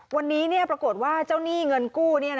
วันนี้ปรากฏว่าเจ้าหนี้เงินกู้